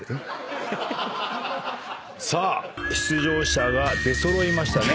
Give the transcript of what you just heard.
さあ出場者が出揃いましたね。